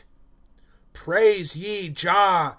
Praise ye Jah.